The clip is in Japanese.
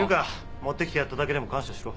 持ってきてやっただけでも感謝しろ。